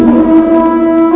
aku akan menang